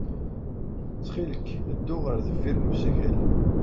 Ttxil-k, ddu ɣer deffir n usakal.